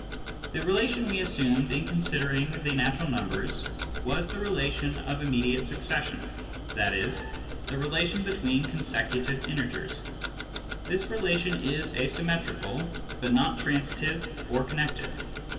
The relation we assumed in considering the natural numbers was the relation of immediate succession, i.e. the relation between consecutive integers. This relation is asymmetrical, but not transitive or connected.